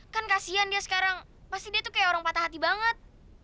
kan kasian dia sekarang pasti dia tuh kayak orang patah hati banget